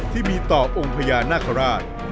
ที่มีต่อองค์พระจิตรประหลาด